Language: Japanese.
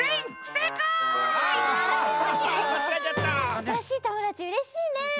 あたらしいともだちうれしいね！